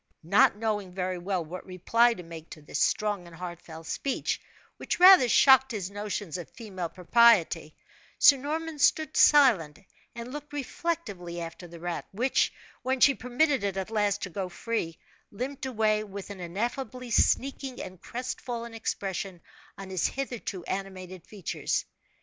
Not knowing very well what reply to make to this strong and heartfelt speech, which rather shocked his notions of female propriety, Sir Norman stood silent, and looked reflectively after the rat, which, when she permitted it at last to go free, limped away with an ineffably sneaking and crest fallen expression on his hitherto animated features.